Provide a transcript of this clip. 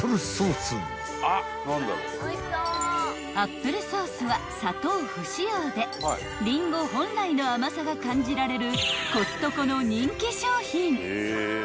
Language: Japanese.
［アップルソースは砂糖不使用でリンゴ本来の甘さが感じられる］